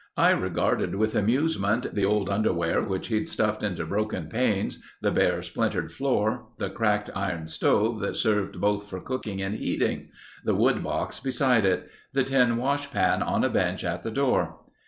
I regarded with amusement the old underwear which he'd stuffed into broken panes; the bare splintered floor; the cracked iron stove that served both for cooking and heating. The wood box beside it. The tin wash pan on a bench at the door.